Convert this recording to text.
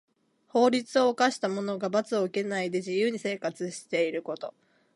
法律を犯した者が罰を受けないで自由に生活していること。